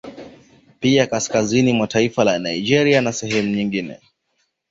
Pia kaskazini mwa taifa la Nigeria na sehemu nyigine